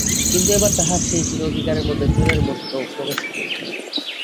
কিন্তু এবার তাহার সেই চির অধিকারের মধ্যে চোরের মতো প্রবেশ করিল।